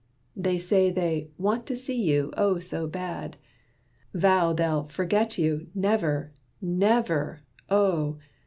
They say they 'want to see you, oh, so bad!' Vow they'll 'forget you, never, never, oh!'